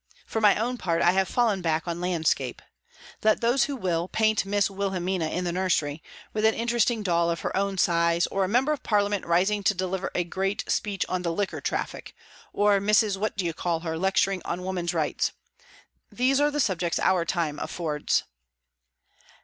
For my own part, I have fallen back on landscape. Let those who will, paint Miss Wilhelmina in the nursery, with an interesting doll of her own size; or a member of Parliament rising to deliver a great speech on the liquor traffic; or Mrs. What do you call her, lecturing on woman's rights. These are the subjects our time affords."